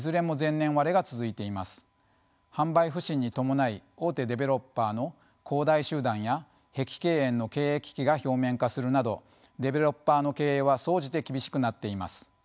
販売不振に伴い大手デベロッパーの恒大集団や碧桂園の経営危機が表面化するなどデベロッパーの経営は総じて厳しくなっています。